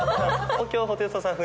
東京ホテイソンさん